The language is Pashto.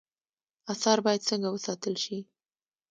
آثار باید څنګه وساتل شي؟